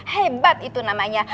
hebat itu namanya